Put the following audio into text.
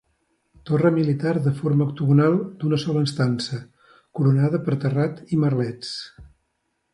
Torre militar de forma octogonal, d'una sola estança, coronada per terrat i merlets.